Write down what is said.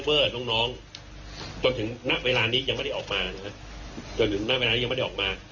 เพื่อน้องน้องจนถึงณเวลานี้ยังไม่ได้ออกมานะจนถึงณเวลานี้ยังไม่ได้ออกมา